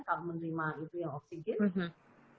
kalau menerima itu yang oksigen